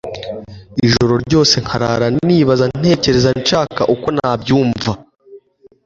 ijoro ryose nkarara nibaza, ntekereza nshaka uko nabyumva